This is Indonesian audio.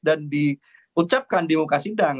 dan diucapkan di muka sidang